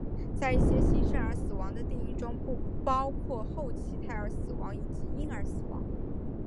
在一些新生儿死亡的定义中不包括后期胎儿死亡以及婴儿死亡。